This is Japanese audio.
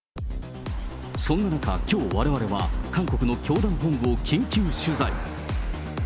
そんな中、きょうわれわれは、韓国の教団本部を緊急取材。